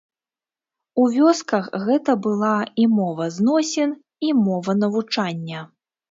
У вёсках гэта была і мова зносін, і мова навучання.